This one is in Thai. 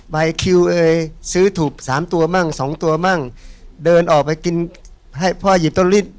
ใบคิวเอ่ยซื้อถูกสามตัวมั่งสองตัวมั่งเดินออกไปกินให้พ่อหยิบต้นลิด